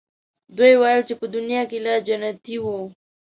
دوی ویل چې په دنیا کې لا جنتیی وو.